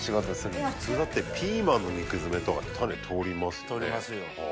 普通だってピーマンの肉詰めとかって種取りますよね？